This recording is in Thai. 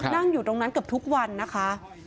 นั่งอยู่ตรงนั้นเกือบทุกวันนะคะ